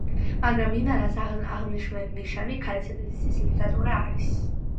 მაგრამ ინანას აღმნიშვნელი ნიშანი ქალისა და ზეცის ლიგატურა არ არის.